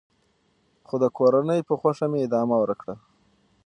خو د کورنۍ په خوښه مې ادامه ورکړه .